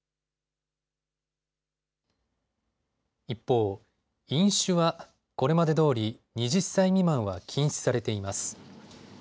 一方、飲酒は、これまでどおり２０歳未満は禁止されています。